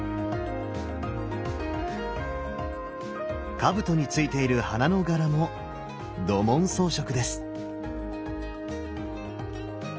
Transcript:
かぶとについている花の柄も土紋装飾です。